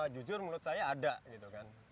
jujur menurut saya ada gitu kan